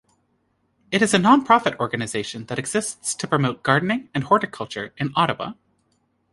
It is a non-profit organization that exists to promote gardening and horticulture in Ottawa.